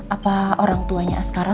apa orang tuanya askara